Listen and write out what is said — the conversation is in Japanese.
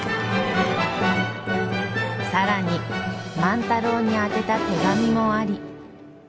更に万太郎に宛てた手紙もあり。